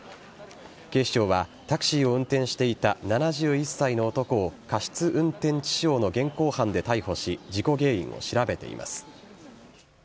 警視庁はタクシーを運転していた７１歳の男を過失運転致傷の現行犯で逮捕し事故原因を調べています。